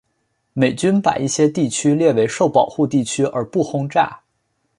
美军把一些地区列为受保护地区而不轰炸。